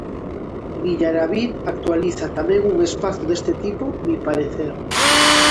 Villarabid actualiza tamén un espazo deste tipo, "Mi parecer".